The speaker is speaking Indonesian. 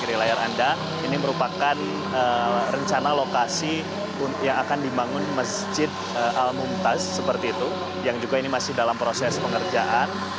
di layar anda ini merupakan rencana lokasi yang akan dibangun masjid al mumtaz seperti itu yang juga ini masih dalam proses pengerjaan